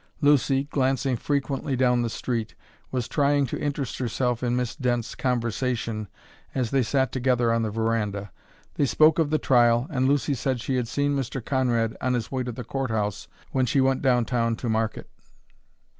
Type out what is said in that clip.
Lucy, glancing frequently down the street, was trying to interest herself in Miss Dent's conversation as they sat together on the veranda. They spoke of the trial, and Lucy said she had seen Mr. Conrad on his way to the court house when she went down town to market.